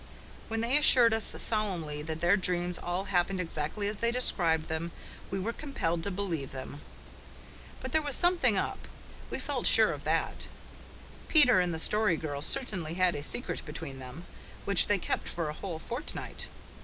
When they assured us solemnly that their dreams all happened exactly as they described them we were compelled to believe them. But there was something up, we felt sure of that. Peter and the Story Girl certainly had a secret between them, which they kept for a whole fortnight.